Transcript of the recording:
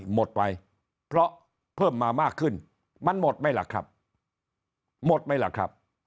หมดไปเพราะเพิ่มมามากขึ้นมันหมดไหมล่ะครับหมดไหมล่ะครับ